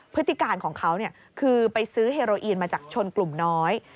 พฤติการของเขาคือไปซื้อเฮโรอีนมาจากชนกลุ่มน้อย